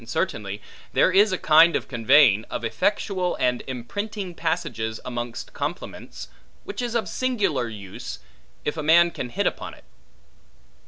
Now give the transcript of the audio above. And certainly, there is a kind of conveying, of effectual and imprinting passages amongst compliments, which is of singular use, if a man can hit upon it.